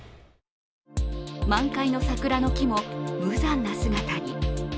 満開の桜の木も無残な姿に。